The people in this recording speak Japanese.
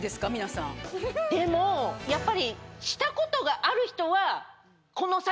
でもやっぱり。